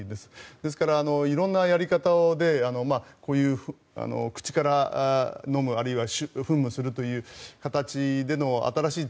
ですから、色んなやり方でこういう口から飲むあるいは噴霧するという形での新しい。